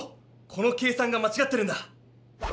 この計算がまちがってるんだ！